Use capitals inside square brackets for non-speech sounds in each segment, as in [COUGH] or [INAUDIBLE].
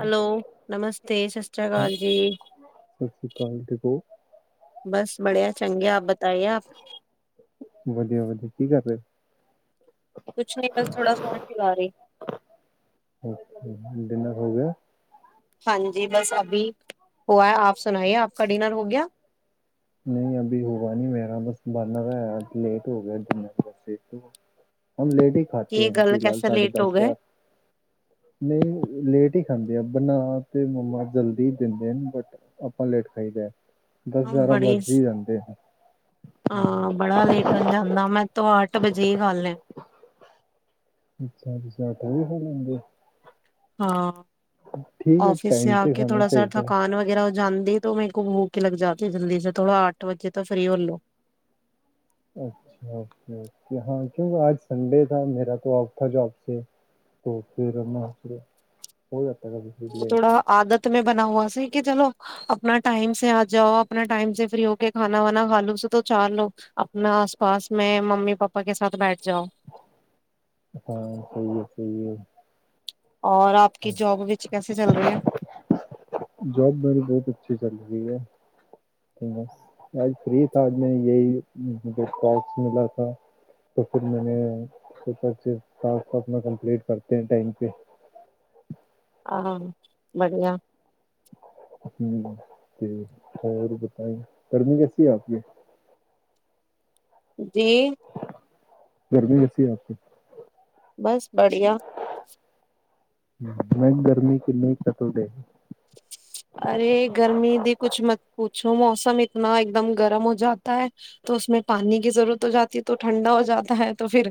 Hello, ਨਮਸਤੇ ਸਤਿ ਸ੍ਰੀ ਸਰ ਕਾਲ ਜੀ। ਸਤਿ ਸ਼੍ਰੀ ਅਕਾਲ ਦੇਖੋ ਬਸ ਬੜਿਆ ਚੰਗੇ, ਆਪ ਬਤਾਈਏ ਆਪ ਵਧੀਆ ਵਧੀਆ ਕੀ ਕਰ ਰੇ। ਕੁਛ ਨਹੀਂ ਬਸ ਥੋੜਾ ਫੋਨ ਚਲਾਰੀ। ਹੋ ਡਿਨਰ ਹੋ ਗਿਆ। ਹਾਂਜੀ, ਬਸ ਅਭੀ ਹੂਆ ਹੈ, ਆਪ ਸੁਣਾਈਏ ਆਪ ਕਾ ਡਿਨਰ ਹੋ ਗਿਆ। ਨਹੀਂ ਅਭੀ ਹੂਆ ਨੀ ਮੇਰਾ ਬਸ ਬਣਰਾ ਹੈ ਲੇਟ ਹੋ ਗਿਆ ਦੋਨੋ ਤਰਫ ਸੇ ਤੋ ਹੂੰ ਲੇਟ ਹੀ ਖਾਤੇ ਹੈ ਫਿਲਹਾਲ ਸਾਢੇ ਦਸ ਯਾ ਨਹੀਂ ਲੇਟ ਹੀ ਖਾਂਦੇ ਬਣਾ ਤੇ ਮੰਮਾ ਜਲਦੀ ਦਿੰਦੇ ਨੇ ਬਟ ਅਪਾਂ ਲੇਟ ਖਾਈਦੈ। ਦਸ ਗਿਆਰਾਂ ਵਜ ਹੀ ਜਾਂਦੇ ਹੈ। ਹਾਂ, ਬੜਾ ਲੇਟ ਹੋ ਜਾਂਦਾ ਮੈਂ ਤੋ ਆਠ ਬਜੇ ਹੀ ਕਾਲੇ। ਅੱਛਾ ਅੱਛਾ, ਜਦੀ ਸੋ ਜਾਂਦੇ ਹੋ। ਹਾਂ, ਠੀਕ ਹੈ ਔਫਿਸ ਸੇ ਟਾਈਮ ਆ ਤੇ ਕੇ ਖਾਣਾ ਥੋੜਾ ਸਾ ਚਾਹੀਦਾ ਥਕਾਨ ਵਗੈਰਾ ਜਾਂਦੀ ਏ ਤੋ ਮੇਰੇ ਕੋ ਭੋਖ ਲੱਗ ਜਾਤੀ ਐ ਜਲਦੀ ਸੇ ਥੋੜ੍ਹਾ ਅੱਠ ਵਜੇ ਤੋਂ ਫਰੀ ਹੋਲੋ। ਅੱਛਾ ਓਕੇ ਓਕੇ, ਹਾਂ ਕਿਓ ਆਜ ਸੰਡੇ ਥਾ ਮੇਰਾ ਤਾਂ ਔਫ ਥਾ ਜੋਬ ਸੇ ਤੋ ਫਿਰ ਨਾ ਕੇ ਸੋ ਜਾ ਵੋ ਥੋੜਾ ਆਦਤ ਮੇ ਬਣਾ ਹੂਆ ਸੀ। ਕਿ ਚਲੋ ਅਪਣਾ ਟਾਈਮ ਸੇ ਆ ਜਾਓ, ਅਪਣਾ ਟਾਈਮ ਸੇ ਫ੍ਰੀ ਹੋ ਕੇ ਖਾਨਾ ਵਾਨਾ ਖਾਲੂ, ਉਸਸੇ ਤੋਂ ਚਾਰ ਲੋਗ ਅਪਣਾ ਆਸ ਪਾਸ ਮੈਂ ਮੰਮੀ ਪਾਪਾ ਕੇ ਸਾਥ ਬੈਠ ਹਾਂ, ਸਹੀ ਐ। ਸਹੀ ਐ। ਔਰ ਆਪ ਕੀ ਜੋਬ ਵਿੱਚ ਕੈਸੇ ਚੱਲ ਰੀ ਹੈ। ਜੋਬ ਮੇਰੀ ਬੌਤ ਅੱਛੀ ਚੱਲ ਰੀ ਹੈ, ਬਸ ਆਜ ਫਰੀ ਦਾ, ਆਜ ਮੈਂ ਯਈ ਮੁਝੇ ਟਾਸਕ ਮਿਲਾ ਦਾ, ਤੋ ਫਿਰ ਮੈਂਨੇ ਫਟਕ ਸੇ ਟਾਸਕ ਅਪਣੇ ਕੰਪਲੀਟ ਕਰਤੇ ਟਾਈਮ ਪੇ। ਆਹ, ਬੜੀਆ। ਹੂੰ, ਤੇ ਹੋਰ ਬਤਾਏਂ ਗਰਮੀ ਕੈਸੀ ਹੈ ਆਪ ਕੇ। ਜੀ। ਗਰਮੀ ਕੈਸੀ ਹੈ ਆਪਕੇ। ਬਸ ਬੜੀਆ‌। ਹੂੰ ਨਹੀਂ ਗਰਮੀ ਕਿੰਨੀ ਕੱਟਦੇ। ਜੋ ਮੌਸਮ ਇਤਨਾ ਇੱਕਦਮ ਗਰਮ ਹੋ ਜਾਤਾ ਹੈ ਤੋ ਉਸਮੇ ਪਾਣੀ ਕੀ ਜ਼ਰੂਰਤ ਹੋ ਜਾਤੀ ਹੈ ਤੋ ਠੰਡਾ ਹੋ ਜਾਤਾ ਹੈ ਤੋ ਫਿਰ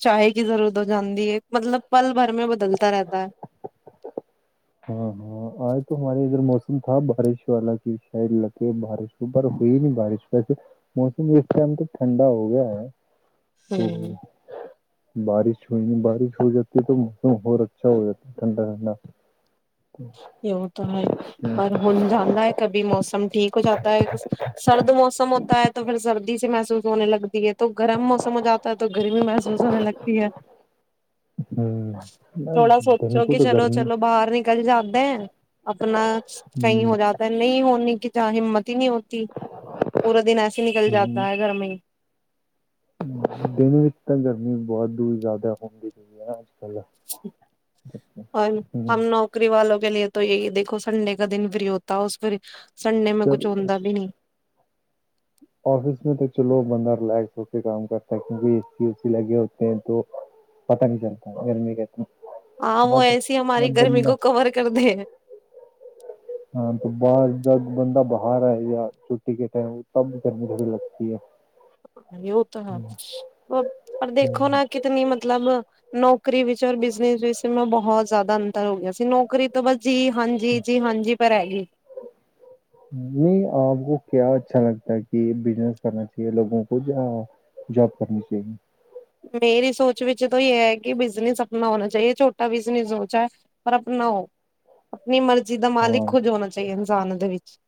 ਚਾਹ ਕੀ ਜ਼ਰੂਰਤ ਹੋ ਜਾਂਦੀ ਹੈ ਮਤਲਬ ਪਲ ਭਰ ਮੇ ਬਦਲਤਾ ਰਹਿਤਾ ਹੈ। ਹਾਂ ਹਾਂ ਆਜ ਤੋ ਹਮਾਰੇ ਫਿਰ ਮੌਸਮ ਥਾ ਬਾਰਿਸ਼ ਵਾਲਾ ਕਿ ਸ਼ਾਇਦ ਲੱਗੇ ਬਾਰਿਸ਼ [UNINTELLIGIBLE] ਪਰ ਹੋਈ ਨੀ ਬਾਰਿਸ਼ [UNINTELLIGIBLE] ਮੌਸਮ ਵੀ ਇਸ ਟਾਈਮ ਤੇ ਠੰਡਾ ਹੋ ਗਿਆ ਐ। ਹੂੰ। ਬਾਰਿਸ਼ ਹੋਈ ਨੀ ਬਾਰਿਸ਼ ਹੋ ਜਾਤੀ ਹੈ ਤਾਂ ਮੌਸਮ ਹੋਰ ਅੱਛਾ ਹੋ ਜਾਤਾ ਠੰਡਾ ਠੰਡਾ। [UNINTELLIGIBLE] [UNINTELLIGIBLE] ਸੀ ਮਹਿਸੂਸ ਹੋਨੇ ਲਗਦੀ ਹੈ। [UNINTELLIGIBLE] ਵੈ ਆਪਨਾ ਕਈ ਹੋ ਜਾਂ ਤਾ ਨਹੀਂ ਹੋਨੀ ਕਿੰਦਾ ਹਿੰਮਤ ਨਹੀਂ ਹੋਤੀ ਪੂਰਾ ਦਿਨ ਐਸੇ ਨਿਕਲ ਜਾਤਾ ਹੈ ਘਰ ਮੇ ਹੀ। ਹੂੰ, ਦਿਨ ਵਿੱਚ ਤਾਂ ਗਰਮੀ ਬਹੁਤ ਹੀ ਜ਼ਿਆਦਾ ਹੁੰਦੀ ਹੈ ਯਾਰ। ਹਾਂਜ ਹਮ ਨੌਕਰੀ ਵਾਲੋਂ ਕੇ ਲੀਯੇ ਤੋ ਯਹੀ ਦੇਖੋ ਸੰਡੇ ਕਾ ਦਿਨ ਫਰੀ ਹੋਤਾ ਉਸ ਪਰ ਹੀ ਸੰਡੇ ਮੈਂ ਕੁਝ ਹੁੰਦਾ ਬੀ ਨਹੀਂ। ਓਫੀਸ ਮੇ ਤੋਂ ਚਲੋ ਬੰਦਾ ਰਿਲੈਕਸ ਹੋ ਕੇ ਕਾਮ ਕਰਤਾ ਹੈ ਕਿਉਂਕਿ ਏਸੀ ਉਸੀ ਲਗੇ ਹੋਤੇ ਹੈ ਤੋ ਪਤਾ ਨਹੀਂ ਚਲਤਾ ਗਰਮੀ ਕਾ। ਹਾਂ ਉਹ ਐਸੀ ਹਮਾਰੀ ਗਰਮੀ ਕੋ ਕਵਰ ਕਰਦੇ। ਹਾਂ ਤੋਂ ਬਾਹਰ ਜਦ ਬੰਦਾ ਬਾਹਰ ਆਈਆ ਛੁੱਟੀ ਕੇ ਟਾਈਮ ਤਬ ਗਰਮੀ ਬੜੀ ਲਗਦੀ ਹੈ। ਹਾਂਜੀ ਵੋ ਤੋ ਹੈ ਪਰ ਦੇਖੋ ਨਾ ਕਿਤਨੀ ਮਤਲਬ ਨੌਕਰੀ ਵਿੱਚ ਔਰ ਬਿਜਨਸ ਵਿੱਚ ਏਸਮ ਬਹੁਤ ਜ਼ਿਆਦਾ ਅੰਤਰ ਹੋ ਗਿਆ ਸੀ ਨੌਕਰੀ ਤੋਂ ਬਸ ਜੀ ਹਾਂਜੀ, ਜੀ ਹਾਂਜੀ ਪਰ ਹੈਗੀ। ਨਹੀਂ ਆਪ ਕੋ ਕਿਆ ਅੱਛਾ ਲਗਦਾ ਹੈ ਕਿ ਬਿਜਨਸ ਕਰਨਾ ਚਾਹੀਏ ਲੋਗੋ ਕੋ ਜਾਂ ਜੋਬ ਕਰਨੀ ਚਾਹੀਏ? ਮੇਰੀ ਸੋਚ ਵਿੱਚ ਤੋ ਯੇ ਹੈ ਕਿ ਬਿਜਨਸ ਆਪਨਾ ਹੋਨਾ ਚਾਹੀਏ ਛੋਟਾ ਬਿਜਨਸ ਹੋ ਚਾਹੇ ਪਰ ਅਪਨਾ ਹੋ। ਅਪਨੀ ਮਰਜ਼ੀ ਦਾ ਮਾਲਿਕ ਖ਼ੁਦ ਹਾਂ ਹੋਣਾ ਚਾਹੀਏ ਇਨਸਾਨ ਦੇ ਵਿੱਚ।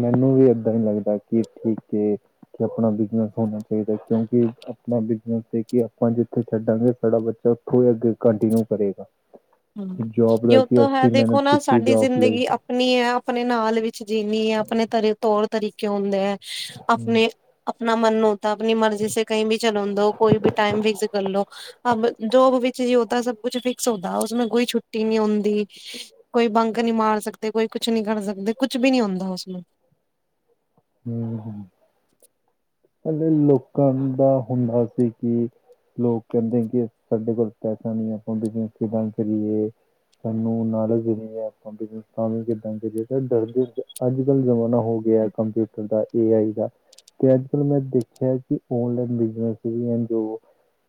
ਮੈਨੂੰ ਵੀ ਏਦਾਂ ਹੀ ਲੱਗਦਾ ਕਿ ਠੀਕ ਕਿ ਆਪਣਾ ਬਿਜਨਸ ਹੋਣਾ ਚਾਹੀਦਾ ਕਿਉਂਕਿ ਆਪਣਾ ਬਿਜ਼ਨਸ ਕਿ ਆਪਾਂ ਜਿੱਥੇ ਛੱਡਾਂਗੇ ਸਾਡਾ ਬੱਚਾ ਉੱਥੋਂ ਹੀ ਅੱਗੇ ਕੰਟੀਨਿਊ ਕਰੇਗਾ। ਹੂੰ ਜੌਬ ਦਾ ਯੋ ਕਿ ਤੋਂ ਹੈ ਅਸੀਂ ਦੇਖੋ ਮਿਹਨਤ ਨਾ ਕੀਤੀ ਸਾਡੀ ਜੌਬ ਲਈ ਜ਼ਿੰਦਗੀ ਆਪਨੀ ਹੈ ਆਪਨੇ ਨਾਲ ਵਿੱਚ ਜਿੰਨੀ ਹੈ ਆਪਣੇ ਤ ਤੌਰ ਤਰੀਕੇ ਹੁੰਦੇ ਐ। ਹਮ, ਆਪਨੇ ਆਪ ਆਪਣਾ ਮਨ ਹੋਤਾ ਆਪਣੀ ਮਰਜ਼ੀ ਸੇ ਕਹੀ ਵੀ ਚਲਣ ਦੋ ਕੋਈ ਵੀ ਟਾਈਮ ਫਿਕਸ ਕਰ ਲੋ ਅਬ ਜੋਬ ਵਿੱਚ ਜੇ ਹੋਤਾ ਸਭ ਕੁਛ ਫਿਕਸ ਹੋਤਾ ਹੈ ਔਰ ਉਸ ਮੇਂ ਕੋਈ ਛੁੱਟੀ ਨੀ ਹੁੰਦੀ, ਕੋਈ ਬੰਕ ਨੀ ਮਾਰ ਸਕਦੇ, ਕੋਈ ਕੁਛ ਨੀ ਕਰ ਸਕਦੇ, ਕੁਛ ਵੀ ਨੀ ਹੁੰਦਾ ਉਸ ਮੇਂ। ਹੂੰ ਹੂੰ, ਪਹਿਲੇ ਲੋਕਾਂ ਦਾ ਹੁੰਦਾ ਸੀ ਕਿ ਲੋਕ ਕਹਿੰਦੇ ਕਿ ਸਾਡੇ ਕੋਲ ਪੈਸਾ ਨਹੀਂ ਆਪਾਂ ਬਿਜਨਸ ਕਿੱਦਾਂ ਕਰੀਏ, ਸਾਨੂੰ ਨੌਲਜ ਨਹੀ ਹੈ ਆਪਾਂ ਬਿਜਨਸ ਕਾਮ ਵੀ ਕਿੱਦਾਂ ਕਰੀਏ ਪਹਿਲੇ ਡਰਦੇ ਸੀ ਅੱਜ ਕੱਲ ਜ਼ਮਾਨਾ ਹੋ ਗਿਆ ਕੰਪਿ ਊਟਰ ਦਾ ਏ ਆਈ ਦਾ ਤੇ ਅੱਜ ਕੱਲ ਮੈਂ ਦੇਖਿਆ ਕਿ ਓਨਲਾਈਨ ਬਿਜਨਸ ਵੀ ਹੈ ਜੋ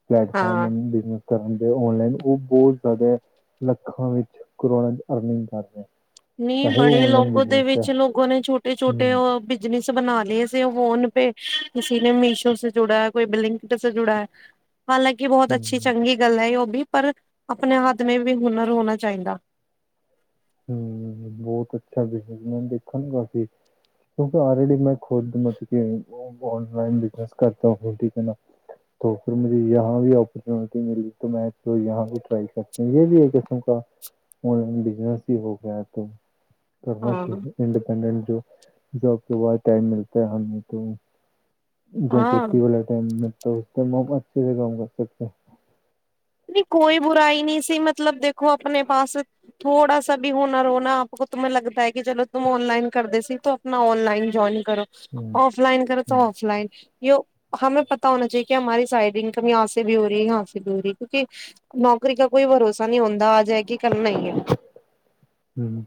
ਪਲੈਟਫਾਰਮ ਹਾਂ [UNINTELLIGIBLE] ਬਿਜ਼ਨਸ ਕਰਨ ਗੇ ਔਨਲਾਈਨ ਉਹ ਬਹੁਤ ਜ਼ਿਆਦਾ ਲੱਖਾਂ ਵਿੱਚ ਕਰੋੜਾ ਚ ਅਰਨਿੰਗ ਕਰਦੇ। ਨਹੀਂ ਬੜੇ ਲੋਗੋ ਦੇ ਵਿੱਚ ਲੋਗੋ ਨੇ ਛੋਟੇ-ਛੋਟੇ ਹੂੰ ਉਹ ਬਿਜਨਸ ਬਣਾ ਲਏ ਸੀੇ ਉਹ ਫੋਨ ਪੇ ਕਿਸੀ ਨੇ ਮੀਸ਼ੋ ਸੇ ਜੁੜਾ ਹੈ, ਕੋਈ ਬਿਲਿੰਕ ਸੇ ਜੁੜਾ ਹੈ। ਹਾਲਾਂਕਿ ਬਹੁਤ ਅੱਛੀ ਹੂੰ ਚੰਗੀ ਗੱਲ ਹੈ ਯੋ ਭੀ। ਪਰ ਆਪਣੇ ਹੱਦ ਮ ਵੀ ਹੁਨਰ ਹੋਣਾ ਚਾਹੀਦਾ ਹੂੰ ਬਹੁਤ ਅੱਛਾ ਬਿਜਨਸ ਮੈਨ ਦੇਖ ਨਾ ਕਾਫੀ ਕਿਉਂਕ ਅਲਰੇਡੀ ਮੈਂ ਖੁਦ ਮਤਲਬ ਕੇ ਔਨਲਾਈਨ ਬਿਜਨਸ ਕਰਦਾ ਠੀਕ ਹੈ ਨਾ ਫਿਰ ਮੁ ਵੀ ਓਰਚਨਿਟੀ ਮਿਲੀ ਮੈਂ ਕਰ ਵੀ ਕਿਸਮ ਓਨਲਾਈਨ ਬਿਜਨਸ ਹੋ ਗਿਆ ਤ ਕਰਨਾ ਹਾਂ ਚਾਹੀਦਾ ਇੰਡੀਪੈਂਡੈਂਟ ਜਬ ਤੋਂ ਬਾਅਦ ਟਾਈਮ ਮਿਲਦਾ ਹੈ ਹੇ ਜਾਂ ਹਾਂ ਛੁੱਟੀ ਵਾਲੇ ਟਾਈਮ ਉਸ ਅੱਛੇ ਕੰਮ ਕਰ ਸਕਦੇ ਕੋਈ ਬੁਰਾਈ ਨਹੀਂ ਸੀ ਮਤਲਬ ਦੇਖੋ ਆਪਣੇ ਪਾਸ ਥੋੜਾ ਸ ਵੀ ਹੋਣਾ ਰੋਣਾ ਆਪ ਤ ਲਗਦਾ ਹੈ ਕਿ ਚਲੋ ਤਮ ਔਨਲਾਈਨ ਕਰਦੇ ਸੀ ਤੂੰ ਆਪਣਾ ਔਨਲਾਈਨ ਜਇਨ ਔਫਲਾਈਨ ਕਰੋ ਤਾਂ ਔਫਲਾਈਨ ਜਉ ਹਮੇ ਪਤਾ ਹੋਣਾ ਚਾਹੀਏ ਕਿ ਹਮਾਰੀ ਸਾਈਡ ਇਨਕਮ ਜਏ ਵੀ ਹੋ ਰਹੀ ਹੈ ਹ ਸੇ ਵੀ ਹੋ ਰਹੀ ਹੈ ਕਿਉਂਕਿ ਨੌਕਰੀ ਦਾ ਕੋਈ ਭਰੋਸਾ ਨਹੀ ਹੁੰਦਾ ਆ ਜਾਏ ਕੀ ਕਰਨਾ ਹੀ ਹੈ ਹਮ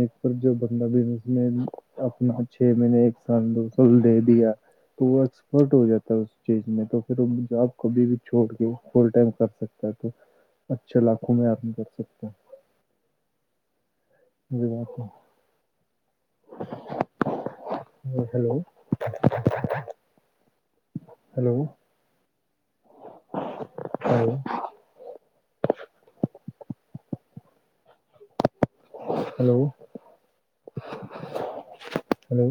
ਇੱਕ ਪਰ ਜ ਬੰਦਾ ਬਿਨ ਆਪਣਾ ਛੇ ਮਹੀਨੇ ਇੱਕ ਸਾਲ ਦੋ ਸਾਲ ਦੇ ਦ ਉਹ ਐਕਸਪਰਟ ਹੋ ਜਾਤਾ ਉਸ ਚੀਜ਼ ਮੈਂ ਫਿਰ ਉਹ ਆਪ ਕਭੀ ਵੀ ਛੋੜ ਕੇ ਫੁਲ ਟਾਈਮ ਕਰ ਸਕਤਾ ਅੱਛੇ ਲਾਖੋ ਮੈਂ ਅਰਾਮ ਕਰ ਸਕ [INAUDIBLE] ਹੈਲੋ [INAUDIBLE] ਹਾਂ ਲੋਲੋ ਹੈਲੋ